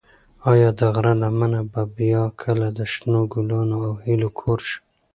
ایا د غره لمنه به بیا کله د شنو ګلانو او هیلو کور شي؟